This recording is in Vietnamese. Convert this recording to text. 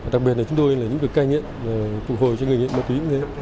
đặc biệt là chúng tôi là những cái cây nghiện phục hồi cho người nghiện ma túy cũng thế